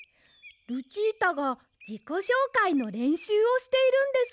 ルチータがじこしょうかいのれんしゅうをしているんですが。